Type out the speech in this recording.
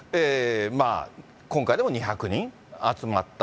今回でも２００人集まった。